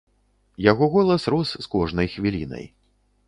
Яго голас рос з кожнай хвілінай.